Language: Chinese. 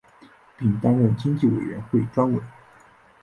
并担任经济委员会专委。